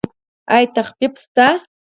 ایا تخفیف شته؟